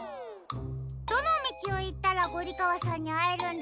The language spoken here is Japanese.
どのみちをいったらゴリかわさんにあえるんだろう？